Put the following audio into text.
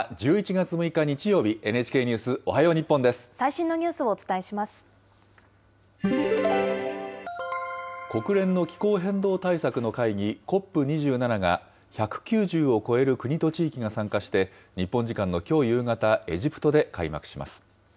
１１月６日日曜日、最新のニュースをお伝えしま国連の気候変動対策の会議、ＣＯＰ２７が１９０を超える国と地域が参加して、日本時間のきょう夕方、エジプトで開幕します。